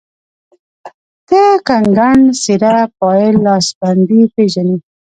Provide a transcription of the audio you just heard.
ته کنګڼ ،سيره، پايل، لاسبندي پيژنې